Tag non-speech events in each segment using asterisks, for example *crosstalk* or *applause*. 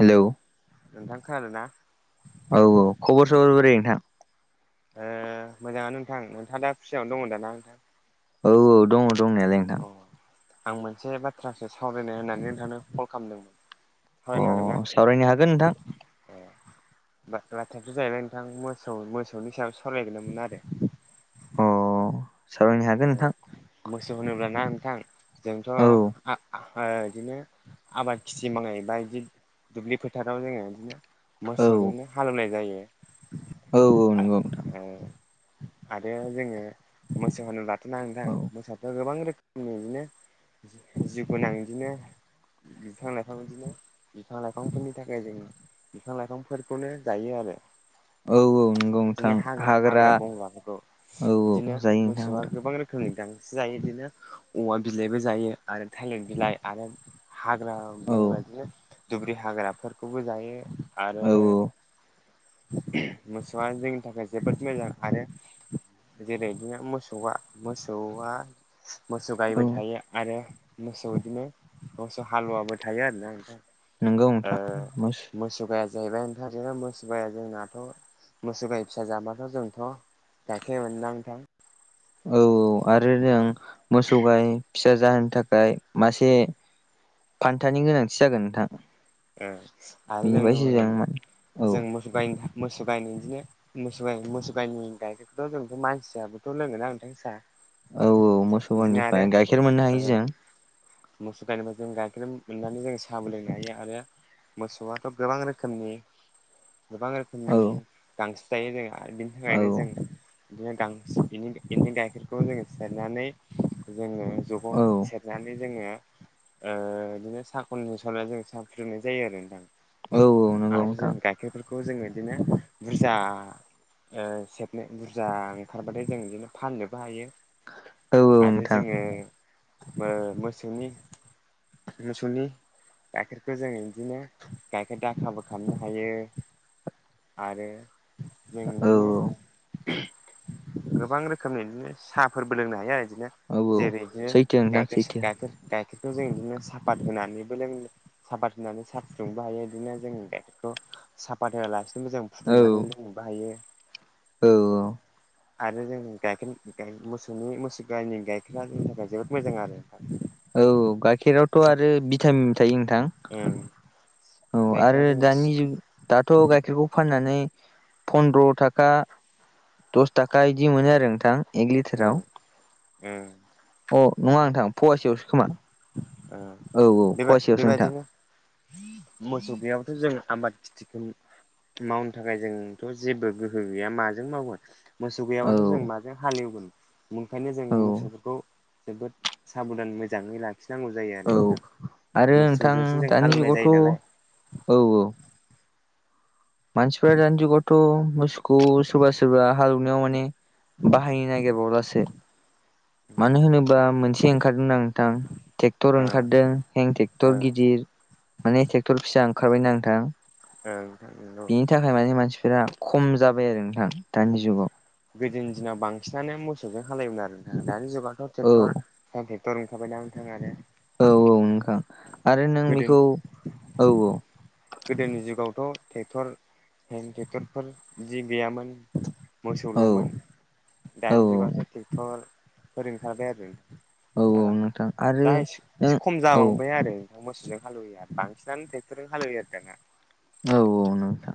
Hello नोंथां खोनादों ना औ औ खबर सबर बोरै नोंथां मोजाङा नोंथां नोंथाङ दा फुसियावनो दं दाना नोंथां औ औ दङ दंनायालाय नोंथां अ आं मोनसे बाथ्रासो सावरायनो होननानै नोंथांनो कल खालामदोंमोन अ सावरायनो हागोन ना सावरायनो हागोन नोंथां ए ब लाथायसो जाहैबायाय नोंथां मोसौ मोसौनि सायाव सायावसो सावरायगौमोन आरो अ सावरायनो हागोन ओ नोंथां मोसौ होनोब्लाना नोंथां जोंथ' औ बिदिनो आबाद खिथि मावै बा बिदि दुब्लि फोथाराव जोङो बिदिनो औ मोसौजोंनो हालेवनाय जायो औ नंगौ नोंथां आरो जोङो मोसौ होनोबाथ ना नोंथां औ मोसौआथ गोबां रोखोमनि बिदिनो जिउ गोनां बिदिनो बिफां लाइफां बिदिनो बिफां लाइफांफोरनि थाखाय जों बिफां लाइफांफोरखौनो जायो आरो औ औ नंगौ नोंथां बिदिनो हाग्रा हाग्रा बंग्राफोरखौ औ औ बिदिनो जायो नोंथां बेसेबां हाग्रा गोबां रोखोमनि गांसो जायो बिदिनो औवा बिलाइबो जायो आरो थलिर बिलाइ आरो हाग्रा औ बंग्रा बिनो दुब्रि हाग्राफोरखौबो जायो आरो औ मोसौआ जोंनि थाखाय जोबोद मोजां आरो जेरै इदिनो मोसौआ मोसौआ मोसौ औ गायबो थायो आरो मोसौ बिदिनो मोसौ हालुवाबो थायो आरोना नंगौ नोंथां मोसौ गाया जाहैबाय ओमफ्राय रनो मोसाया जोंनाथ' मोसोबाया फिसा जाबाथ' जोंथ' *inaudible* औ औ आरो जों मोसौ गाय फिसा जाहोनो थाखाय मासे फान्थानि गोनांथि जागोन नोंथां आरो बिनिफ्रायसो जोङो जों औ जों मोसौ गाय मोसौ गायनायदिनो मोसौ मोसौ गाइनि गाइखेरखौथ जोंथ' मानसियाबोथ' लोङोना नोंथां सा औ औ मोसौ गायनिफ्राय गाइखेर मोननो हायो ओ जों मोसौ गायनिफ्राय जों गाखखेर मोननानै जों साहाबो लों गायो आरो मोसौआथ' गोबां रोखोमनि गोबां रोखोमनि औ गांसो जायो जों आरो बिनि थाखायनो औ जों बिदिनो *unintelligible* बेनि गाइखेरखौ जोङो सेरनानै जोङो जगाव औ सेरनानै जोङो ओ इदिनो साखननि सल जों स नाय जायो आरो औ नोंथां नंगौ आरो नोंथां जों गाइखेरफोरखौ खौ जोङो बिदिनो बुरजा ओ सेबनो बुरजा ओंखारबाथाय जों बिदिनो फाननोबो हायो औ औ आ नोंथां जोङो मोसौनि मोसौनि गाइखेर बेखौ जोङो बिदिनो गायखेर दाखाबो खालामनो हायो आरो *unintelligible* नो औ गोबां रोखोमनि बिदिनो साहाफोरबो लोंनो हायो आरो बिदिनो औ जेरै बिदिनो सैथो नोंथां गाइखेर सैथो गाइखेर गाइखेरखौ जों बिदिनो साफात होनानैबो लों साफात होनानै सा फुदुंबो हायो बिदिनो जों दखौ साफात होआलासिनोबो जों औ फुदुंनानै बाहायो औ आरो जों गायखेर मोसौनि मोसौ नि गाइखेरा जोंनि थाखाय जोबोद मोजां आरो औ गाइखेरावथ' आरो थाएम थायो नोंथां ओं औ गाइखेरा आरो जों दानि जुग दाथ' गाइखेरखौ फाननानै फन्द्र' थाखा दस थाखा बिदि मोनो आरो नोंथां एक लिटाराव ओं ओं अ नङा बिदिनो नोंथां फुवासेयावसो खोमा ओ औ औ फुवासेयावसो नोंथां बेबायदिनो मोसौ गैयाबाथ' जों आबाद खिथिखौ मावनो थाखाय जोंथ' जेबो गोहो गैया माजों मावगोन मोसौ औ गैयाब्लाथ' जों माजों हालेवगोन ओंखायनो जों औ मोसौफोरखौ जोबोद साबधान मोजाङै लाखि नांगौ जायो आरो औ दा आरो नोंथां मोसौजोंसो जों दानि हालौवनाय जुगावथ' जायो नालाय औ औ मानसिफोरा दानि जुगावथ' मोसौखौ सोरबा सोरबा हालौवनायाव माने बाहाय नायगिर बावलासो मानो ओ होनोबा मोनसे ओंखारदों आं नोंथां ट्रेक्टर ओ ओंखारदों हें ट्रेक्टर ओ गिदिर माने ट्रेक्टर फिसा ओंखारबायना नोंथां *unintelligible* नि थाखाय माने मानसिफोरा खम जाबाय आरो नोंथां दानि जुगाव गोदोनि दिनाव बांसिनानो मोसौजों हालेवयोमोन आरो दानि जुगावथ' ट्रेक्टर औ कनट्रेक्टर ओंखारबाय दा नोंथाङा आरो औ औ नोंथां आरो नों गोदो बेखौ औ औ गोदोनि जुगावथ' टेक्टर ह टेक्टरफोर बिदि गैयामोन औ मोसौल'मोन औ दानि जुगावथ' टेक्टरफोर ओंखारबाय आरो औ दाना नोंथां आरो दा एसे नों खम औ जालांबाय आरो मोसौजों हाले्यो आरो बांसिनानो टेक्टरजों हालेवयो आरो दाना औ औ नोंथां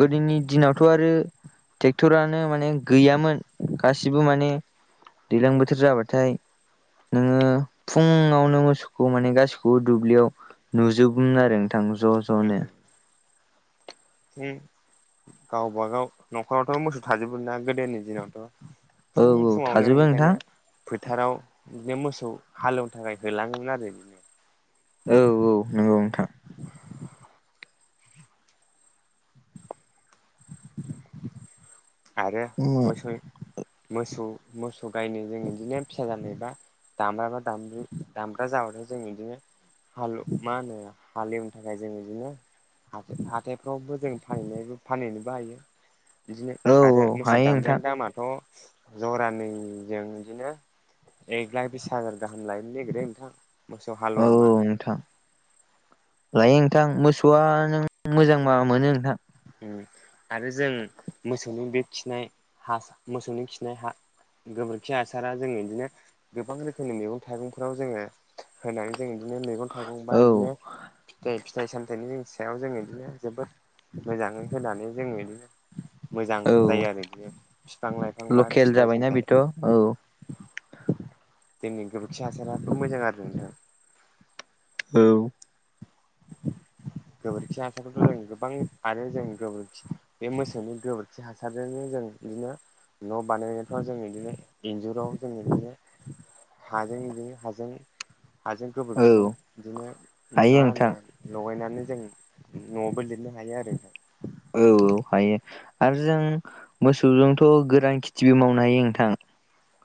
गोदोनि दिनावथ' आरो टेक्टरानो माने गैयामोन गासिबो माने दैज्लां बोथोर जाबाथाय नोङो फुङावनो मोसौखौ माने गासिखौबो दुब्लियाव नुजोबोमोन आरो नोंथां ज' ज'नो गावबा गाव न'खरावथ' मोसौ थाजोबो ना गोदोनि दिनावथ' औ फुं औ फुङावनो थाजोबो नोंथां ओंखायनो फोथाराव बिदिनो मोसौ हालेवनो थाखाय होलाङोमोन आरो बिदिनो औ औ नंगौ नोंथां *inaudible* आरो औ मोसौ मोसौ मोसौ गायनो जों बिदिनो फिसा जानाय बा दामब्राबा दाम दामब्रा जाबाथाय जों बिदिनो हाल मा होनो हालेवनो थाखाय जों बिदिनो हाथायफ्रावबो जों फनायबो फानहैनोबो हायो बिदिनो आरो औ मोसौ हायो नोंथां दामब्रानि दामाथ' जरानैजों बिदिनो एक लाख बिस हाजार गाहाम लानो नागिरो नोंथां मोसौ औ हालुवा औ मानै नोंथां लायो नोंथां मोसौआ नों मोजांबा मोनो नोंथां आरो जों मोसौनि बे खिनाय हा मोसौनि खिनाय हा गोबोरखि हासारा जोङो बिदिनो गोबां रोखोमनि मैगं थाइगंफ्राव जोङो होनानै जों बिदिनो मैगं थाइगं बा औ बिदिनो जाय फिथाइ सामथाइनि सायाव जोङो बिदिनो जोबोद मोजाङै होनानै जोङो बिदिनो मोजां औ जायो आरो बिफां लाइफां बा लकेल फिथाइ जाबायना बेथ' सामथाइ औ औ जोंनि गोबोरखि हासाराबो मोजां आरो नोंथां औ गोबोरखि हासारखौथ' जों गोबां आरो जों गोबोरखि बे मोसौनि गोबोरखि हासारजोंनो जों बिदिनो न' बानायनायफ्राव जों बिदिनो इन्जुराव जों बिदिनो हाजों बिदि हाजों हाजों औ गोबोरखिजों बिदिनो हायो मा होनो नोंथां लगायनानै जों न'आवबो लिरनो हायो आरो औ औ हायो आरो जों मोसौजोंथ' गोरान खेथिबो मावनो हायो नोंथां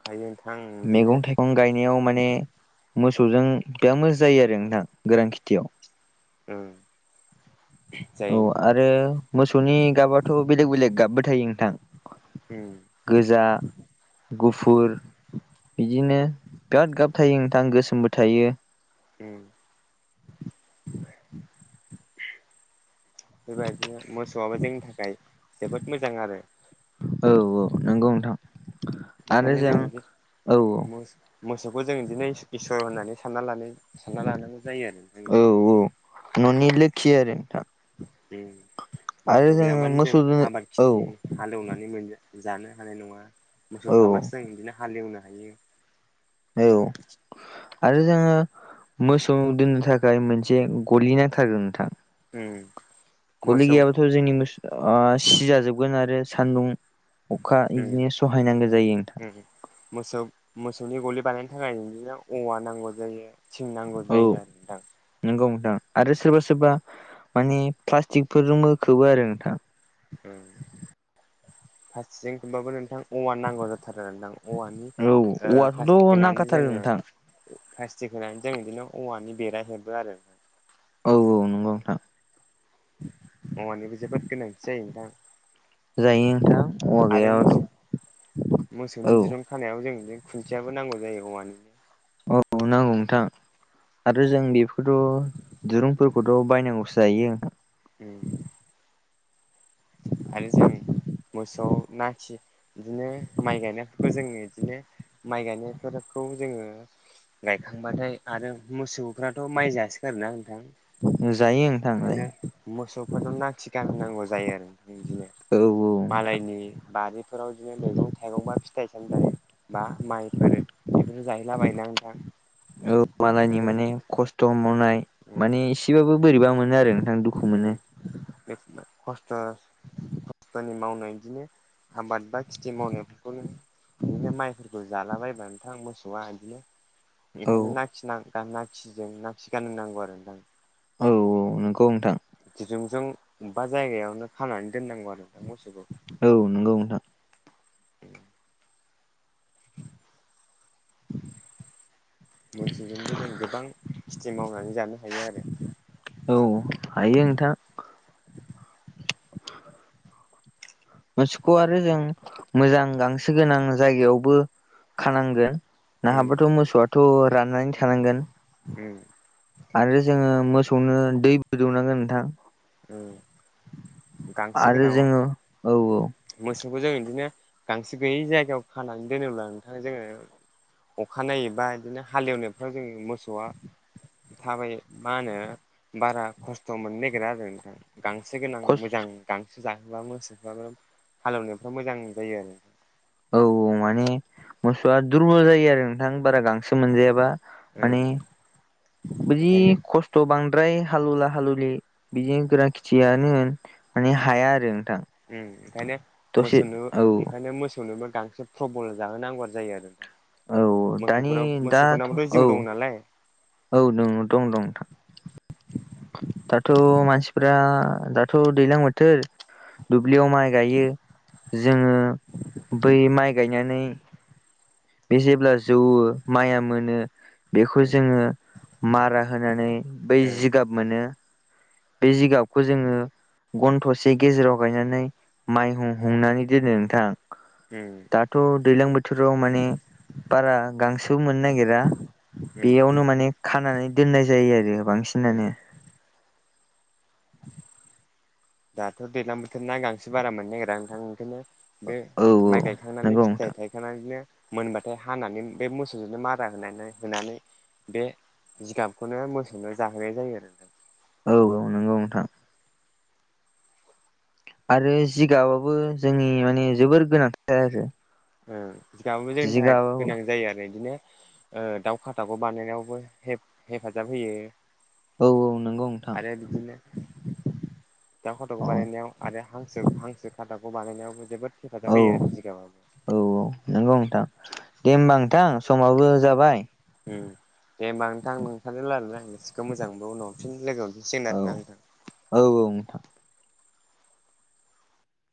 हायो नोंथां ओं बिदिनो फां गायनायाव माने मोसौजों बिराद मोजां जायो आरो नोंथां गोरान खेथियाव उम औ आरो मोसौनि गाबाथ' बेलेग बेलेग गाबबो थायो नोंथां उम गोजा गुफुर बिदिनो गाद गाब थायो नोंथां गोसोमबो थायो उम बेबायदिनो मोसौआबो जोंनि थाखाय जोबोद मोजां आरो औ औ नंगौ नोंथां बेखायनो जों औ *unintelligible* मोसौखौ जों बिदिनो इ इसोर होननानै सानना लानो सानना लानांगौ जायो आरो औ बिदिनो औ न'नि लोखि आरो नोंथां *unintelligible* आरो मोसौ जोङो गैयाबानो जों मोसौ दोनो आबाद औ खिथि हालेवनानै मोनो जानो हानाय नङा औ मोसौ थाब्लाासो जों बिदिनो हालेवनो हायो औ आरो जोङो मोसौ दोननो थाखाय मोनसे गलि नांथारगौ नोंथां उम गलि मोसौ गैयाबाथ' जोंनि मो सिजाजोबगोन आरो सान्दुं अखा उम बिदिनो सहायनांगौ जायो नोंथां उम मोसौ मोसौनि गलि बानायनो थाखाय बिदिनो औवा नांगौ जायो थिं नांगौ औ जायो आरो नोंथां नंगौ नोंथां आरो सोरबा सोरबा माने प्लास्टिकफोरजोंबो खोबो आरो नोंथां उम फारसेथिं खोबबाबो नोंथां औवा नांगौ जाथारो नोंथां औवानि औ ओ फासि औवाखौथ' होनानै नांखाथारगोन जोङो नोंथां प्लास्टिक होनानै जों बिदिनो औवानि बेरा हेबो आरो औ औ नंगौ नोंथां औवानिबो जोबोद गोनांथि जायो नोंथां जायो नोंथां औवा आरो गैयाबाथ' मोस औ मोसौनि दिरूं खानायाव जों खुन्थियाबो नांगौ जायो औवानि औ नांगौ नोंथां आरो जोंनि बेफोरखौथ' दिरुंफोरखौथ' बायनांगौसो जाहैयो नोंथां उम आरो जों मोसौआव नाखि बिदिनो माइ गायनायफोरखौ जोङो बिदिनो माइ गायनायफोरखौ जोङो गायखांबाथाय आरो मोसौ फ्राथ' माइ जासो गारोना नोंथां जायो नोंथां जायो ओंखायनो मोसौफोरनो नाखि गाननांगौ जायो आरो बिदिनो औ औ नोंथां मालायनि बारिफोराव बिदिनो मैगं थाइगं बा फिथाइ सामथाइ बा माइफोर बेफोरफोरखौ जाहैलाबायना नोंथां औ मालायनि ओंखायनो माने खस्थ' मावनाय उम माने एसेबाबो बोरैबा मोनो आरो नोंथां दुखु मोनो उम खस्थ' खस्थ'नि मावनाय बिदिनो आबाद बा खेथि मावनायफोरखौनो बिदिनो माइफोरखौ जालाबायबा नोंथां मोसौआ बिदिनो औ ओंखायनो नाखिजों ना खि गान नांगौ आरो नोंथां। औ औ नोंगौ नोंथां दिदुंजों अबेबा जायगायावनो खानानै दोननांगौ आरो नोंथां मोसौखौ औ नंगौ नोंथां मोसौजोंबो जों गोबां खेथि मावनानै जानो हायो आरो। औ हायो नोंथां। मोसौखौ आरो जों मोजां गांसो गोनां जायगायावबो खानांगोन। उम नाहाबाथ' मोसौआथ' राननानै थानांगोन। उम आरो जोङो मोसौनो दैबो दौनांगोन नोंथां। उम गांसो आरो गोनां जोङो औ औ मोसौखौ जों बिदिनो गांसो गैयै जायगायाव खानानै दोनोब्ला नोंथाङा जोङो अखानायोबा बिदिनो हालेवनायफ्राव जों मोसौआ थाबाय मा होनो बारा खस्थ' मोननो नागिरा आरो नोंथां गांसो गोनां खस मोजां गांसो जाहोब्ला मोसोबा हालेवनायफ्राव मोजां जायो आरो। औ औ माने मोसौआ दुरबल जायो आरो नोंथां बारा गांसो मोनजायाबा। ओं माने बिदि ओंखायनो खस्थ' थ' बांद्राय हालुला हालुलि बिदि गोरा खेथियानो होन माने हाया आरो नोंथां। ओं ओंखायनो दसे मोसौनो औ ओंखायनो मोसौनोबो गांसो प्रबल जाहोनांगौआ जायो आरो दा औ दानि मोसौफोर दाथ' मोसौफोरनाबथ' औ जिउ दं नालाय। औ दङ दं दं दाथ' मानसिफ्रा दाथ' दैज्लां बोथोर दुब्लियाव माइ गायो जोङो बै माइ गायनानै बे जेब्ला जौवो माइया मोनो बेखौ उम जोङो मारा होनानै बै ओ जिगाब मोनो बे जिगाबखौ जोङो घन्ट'से गेजेराव गायनानै माइ ह हुंनानै दोनो नोंथां उम दाथ' दैलां बोथोराव माने बारा गांसो मोननो नागिरा उम बेयावनो माने खानानै दोननाय जायो आरो उम बांसिनानो दाथ' दैज्लां बोथोर ना गांसो बारा मोननो नागिरा नोंथां ओंखायनो बे औ माइ गायखांनानै नंगौ नोंथां फिथाइ थाइ नानैनो मोनबाथाय हानानै बे मोसौजोंनो मारा होनानै होनानै बे जिगाबखौनो मोसौनो जाहोनाय जायो आरो नोंथां औ औ नंगौ नोंथां। आरो जिगाबाबो जोंनि माने जोबोर गोनांथार आरो उम जिगाबाबो जोंनि थाखाय जिगाब गोनां जायो आरो बिदिनो ओ दाउ खाथाखौ बानायनायावबो हेफ हेफाजाब होयो। औ नंगौ नोंथां आरो बिदिनो दा फट'खौ औ बानायनायाव आरो हांसो हांसो खादाखौ बानायनायावबो जोबोद हेफाजाब औ होयो आरो जिगाङावबो औ औ नंगौ नोंथां दे होमबा नोंथां समाबो जाबाय उम दे होमबा नोंथां नोंथांजो लारायना आं बिसोरखौ मोजांबो उनाव हफिन लोगो हमफिन सिगोन औ आरोना नोंथां। औ औ नोंथां